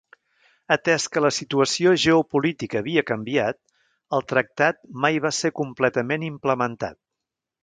Atès que la situació geopolítica havia canviat, el tractat mai va ser completament implementat.